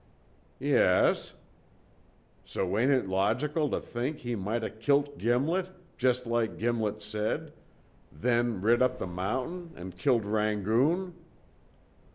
"Yes." "So ain't it logical tuh think he might o' kilt Gimlet, jest like Gimlet said, then rid up the mountain, an' killed Rangoon?"